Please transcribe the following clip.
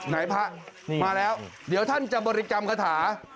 พระมาแล้วเดี๋ยวท่านจะบริกรรมคาถา